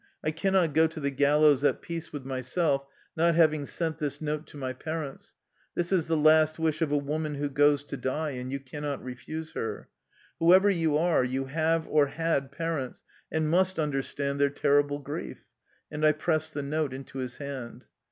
" I cannot go to the gallows at peace with myself not having sent this note to my parents. This is the last wish of a woman who goes to die, and you cannot refuse her. Whoever you are, you have or had parents and must understand their terrible grief." And I pressed the note into his hand.